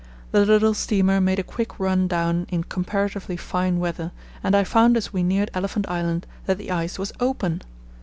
The little steamer made a quick run down in comparatively fine weather, and I found as we neared Elephant Island that the ice was open.